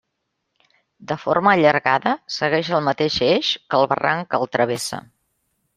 De forma allargada, segueix el mateix eix que el barranc que el travessa.